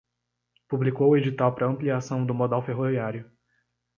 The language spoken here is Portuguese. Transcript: Publicou o edital para ampliação do modal ferroviário